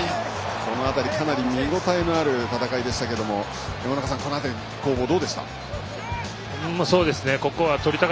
この辺り、かなり見応えのある戦いでしたが山中さん、この辺りの攻防はどうでしたか？